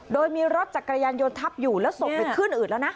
โดยมีรถจักรยานยนต์ทับอยู่แล้วศพไปขึ้นอืดแล้วนะ